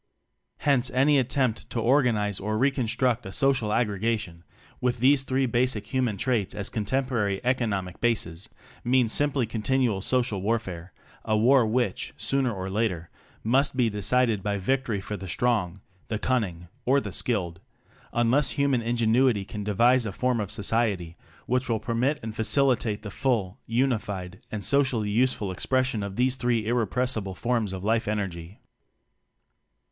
Hence any attempt to organize or "re construct" a social aggregation with these three basic human traits as contemporary economic bases 10 TECHNOCRACY means simply continual social warfare; a war which, sooner or later, must be decided by victory for the Strong, the Cunning, or the Skilled unless human ingenuity can devise a form of society which will permit and facilitate the full, unified, and socially useful expres sion of these three irrepressible forms of life energy.